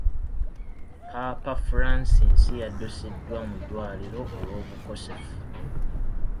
Paapa Francis yaddusiddwa mu ddwaliro olw’obukosefu.